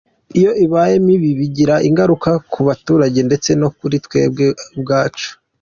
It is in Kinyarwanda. iyo ibaye mibi, bigira ingaruka ku baturage ndetse no kuri twebwe ubwacu.